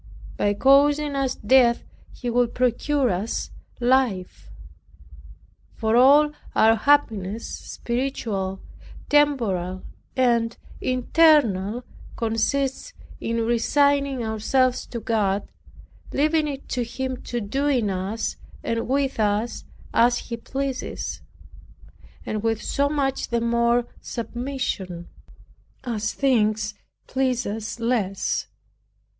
By causing us death He would procure us life; for all our happiness, spiritual, temporal and eternal, consists in resigning ourselves to God, leaving it to Him to do in us and with us as He pleases, and with so much the more submission; as things please us less.